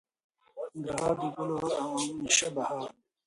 ننګرهار د ګلو هار او همیشه بهار.